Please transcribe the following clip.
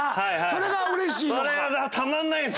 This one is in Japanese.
それがうれしいのか。